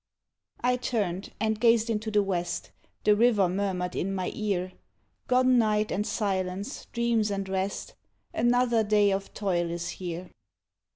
I turned and gazed into the west, The river murmured in my ear 'Gone night, and silence, dreams and rest, Another day of toil is here.'